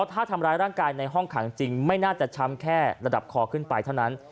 ถ้าทำร้ายร่างกายในห้องขังจริงไม่น่าจะช้ำแค่ระดับคอขึ้นไปเท่านั้น